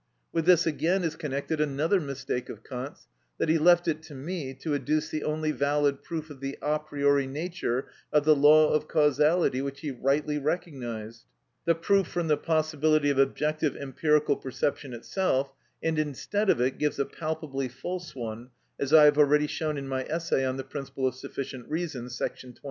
With this again is connected another mistake of Kant's: that he left it to me to adduce the only valid proof of the a priori nature of the law of causality which he rightly recognised, the proof from the possibility of objective empirical perception itself, and instead of it gives a palpably false one, as I have already shown in my essay on the principle of sufficient reason, § 23.